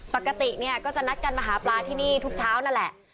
ปกติเนี่ยก็จะนัดกันมาหาปลาที่นี่ทุกเช้านั่นแหละ